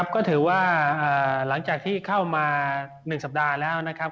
ก็ถือว่าหลังจากที่เข้ามา๑สัปดาห์แล้วนะครับ